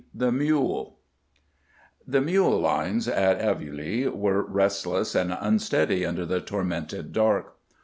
THE MULE The mule lines at Aveluy were restless and unsteady under the tormented dark.